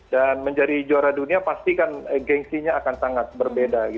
dan menjadi juara dunia pastikan gengsinya akan sangat berbeda